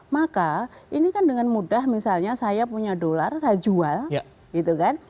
maka ini kan dengan mudah misalnya saya punya dolar saya jual gitu kan